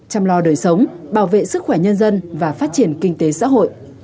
chăm lo đời sống bảo vệ sức khỏe nhân dân và phát triển kinh tế xã hội